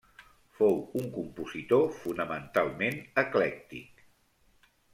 Fou un compositor fonamentalment eclèctic.